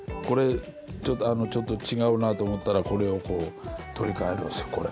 これちょっとあのちょっと違うなと思ったらこれをこう取り替えるんですよ